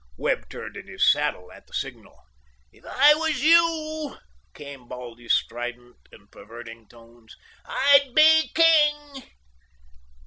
Webb turned in his saddle at the signal. "If I was you," came Baldy's strident and perverting tones, "I'd be king!"